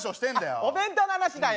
あっお弁当の話だよ。